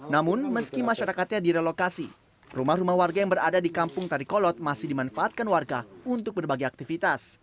namun meski masyarakatnya direlokasi rumah rumah warga yang berada di kampung tarikolot masih dimanfaatkan warga untuk berbagai aktivitas